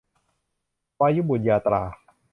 วายุบุตรยาตรา